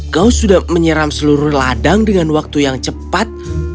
kau sudah menyeram seluruh ladang dengan waktu yang cepat